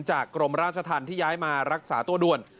จากกรมราชทันที่ย้ายมารักษาตัวด้วน